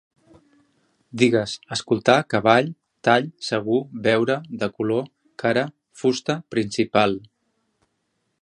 Digues: escoltar, cavall, tall, segur, veure, de color, cara, fusta, principal